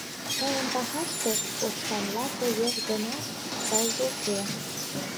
Тыйын пашатше коштанла коеш гынат, сайжак уке.